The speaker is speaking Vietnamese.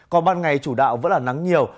còn ban ngày chủ đạo vẫn là nắng nhiều